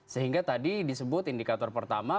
sehingga tadi disebut indikator pertama